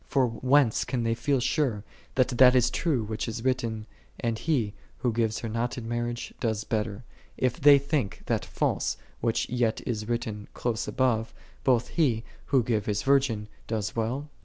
For whence can they feel sure that that is true, which is written, *'And he, who gives her not in marriage, does better: "5 if they think that false, which yet is written close above, " Both he, who gives his virgin, does well?"